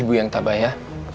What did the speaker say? ibu yang tabah ya